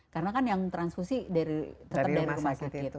karena kan yang transfusi tetap dari rumah sakit